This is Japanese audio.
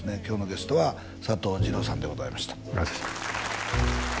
今日のゲストは佐藤二朗さんでございました